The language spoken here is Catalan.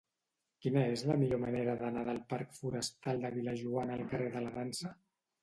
Quina és la millor manera d'anar del parc Forestal de Vil·lajoana al carrer de la Dansa?